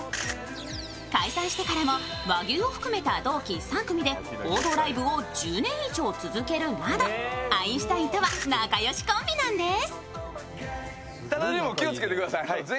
解散してからも和牛を含めた同期３組で合同ライブを１０年以上続けるなどアインシュタインとは仲良しコンビなんです。